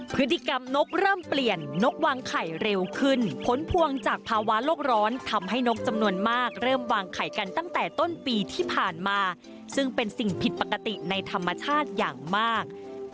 พฤติกรรมนกเริ่มเปลี่ยนนกวางไข่เร็วขึ้นผลพวงจากภาวะโลกร้อนทำให้นกจำนวนมากเริ่มวางไข่กันตั้งแต่ต้นปีที่ผ่านมาซึ่งเป็นสิ่งผิดปกติในธรรมชาติอย่างมาก